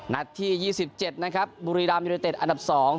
นัดที่ยี่สิบเจ็ดนะครับบุรีรามยูนเต็ดอันดับสอง